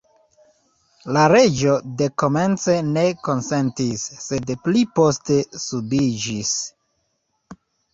La reĝo dekomence ne konsentis, sed pli poste subiĝis.